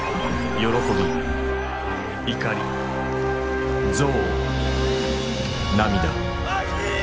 喜び怒り憎悪涙。